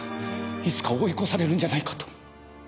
いつか追い越されるんじゃないかと。